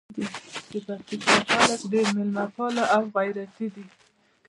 د پکتیکا خلګ ډېر میلمه پاله او غیرتي دي.